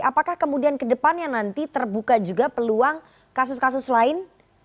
apakah kemudian ke depannya nanti terbuka juga peluang kasus kasus lain